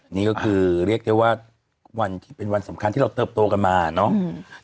นี่ก็คือเรียกได้ว่าวันที่เป็นวันสำคัญที่เราเติบโตกันมาเนาะ